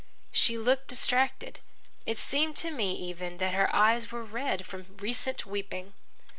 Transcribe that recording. She looked distracted. It seemed to me even that her eyes were red from recent weeping.